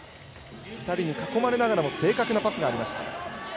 ２人に囲まれながらも正確なパスがありました。